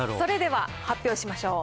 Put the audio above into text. さあ、それでは発表しましょう。